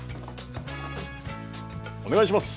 お願いします。